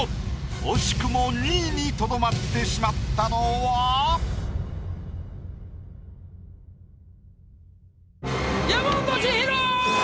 惜しくも２位にとどまってしまったのは⁉山本千尋！